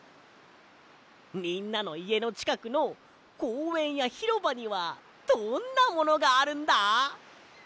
みんなのいえのちかくのこうえんやひろばにはどんなものがあるんだ？